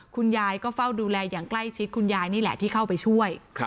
คุณยายก็เฝ้าดูแลอย่างใกล้ชิดคุณยายนี่แหละที่เข้าไปช่วย